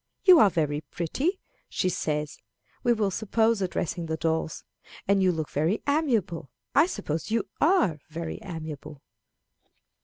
"You are very pretty" she says, we will suppose, addressing the dolls "and you look very amiable. I suppose you are very amiable."